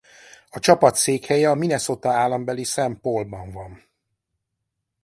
A csapat székhelye a Minnesota állambeli Saint Paulban van.